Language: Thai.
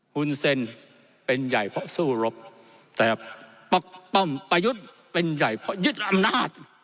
คุณเซ็นเป็นใหญ่เพราะสู้รบแต่ป๊อกป้อมประยุทธ์เป็นใหญ่เพราะยึดอำนาจ